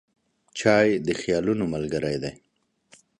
چای د خیالونو ملګری دی.